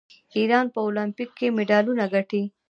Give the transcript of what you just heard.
ایران په المپیک کې مډالونه ګټي.